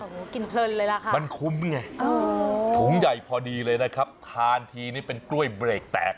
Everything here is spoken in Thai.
โอ้โหกินเพลินเลยล่ะค่ะมันคุ้มไงถุงใหญ่พอดีเลยนะครับทานทีนี่เป็นกล้วยเบรกแตก